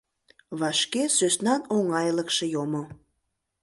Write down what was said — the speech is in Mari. Вашке сӧснан оҥайлыкше йомо.